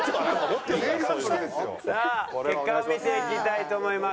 さあ結果を見ていきたいと思います。